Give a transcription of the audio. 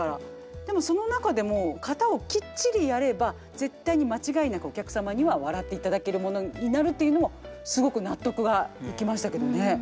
でもその中でも型をきっちりやれば絶対に間違いなくお客様には笑っていただけるものになるっていうのもすごく納得がいきましたけどね。